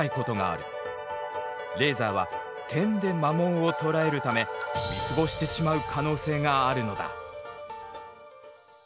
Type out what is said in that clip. レーザーは「点」で摩耗を捉えるため見過ごしてしまう可能性があるのだ。